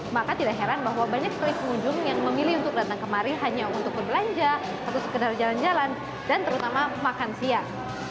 maka tidak heran bahwa banyak sekali pengunjung yang memilih untuk datang kemari hanya untuk berbelanja atau sekedar jalan jalan dan terutama makan siang